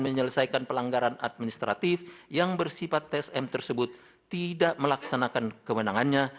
menyelesaikan pelanggaran administratif yang bersifat tsm tersebut tidak melaksanakan kewenangannya